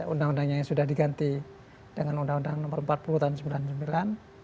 undang undangnya yang sudah diganti dengan undang undang nomor empat puluh tahun seribu sembilan ratus sembilan puluh sembilan